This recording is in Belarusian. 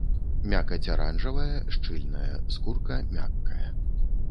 Мякаць аранжавая, шчыльная, скурка мяккая.